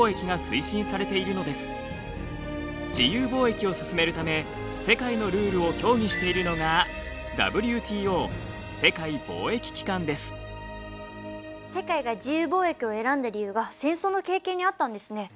自由貿易を進めるため世界のルールを協議しているのが世界が自由貿易を選んだ理由が戦争の経験にあったんですね。